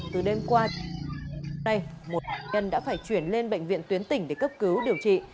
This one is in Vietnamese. từ đêm qua một nhân đã phải chuyển lên bệnh viện tuyến tỉnh để cấp cứu điều trị